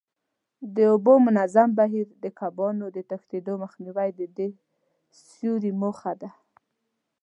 د اوبو منظم بهیر، د کبانو د تښتېدو مخنیوی د دې سوري موخه ده.